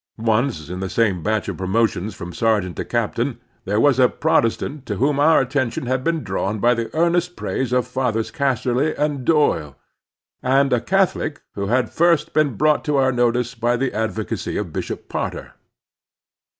Once in the same batch of pro motions from sergeant to captain there was a Civic Helpfulness 95 Protestant to whom our attention had been drawn by the earnest praise of Fathers Casserly and Doyle, and a Catholic who had first been brought to our notice by the advocacy of Bishop Potter.